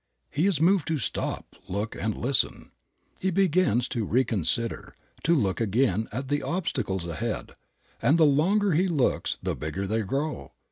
He is moved to "stop, look, and listen." He begins to reconsider, to look again at the obstacles ahead, and the longer he looks the bigger they grow.